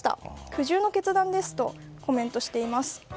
苦渋の決断ですとコメントしています。